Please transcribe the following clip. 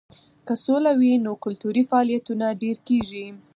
که سوله وي نو کلتوري فعالیتونه ډېر کیږي.